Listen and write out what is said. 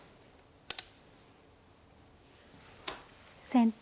先手